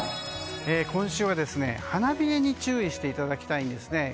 今週は花冷えに注意していただきたいんですね。